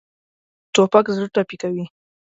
توپک زړه ټپي کوي.